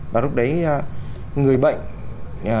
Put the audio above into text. và lúc đấy người bệnh